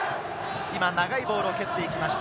長いボールを蹴ってきました。